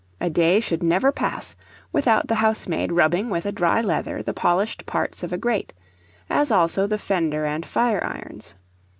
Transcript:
A day should never pass without the housemaid rubbing with a dry leather the polished parts of a grate, as also the fender and fire irons.